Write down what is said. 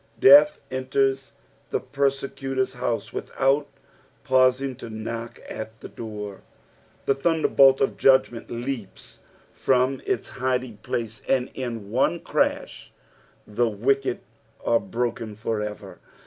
Death enters the persecutor's house without pausing to knock at the door. The thunderbolt of judgment leaps from its hiding place, and in one crash the wicked are broken for ever.